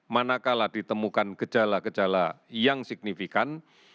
manakala ditemukan gejala gejala yang signifikan